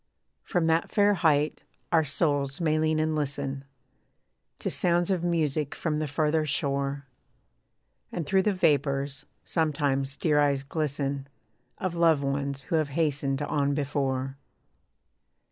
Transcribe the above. From that fair height, our souls may lean and listen To sounds of music from the farther shore, And through the vapours, sometimes dear eyes glisten Of loved ones who have hastened on before.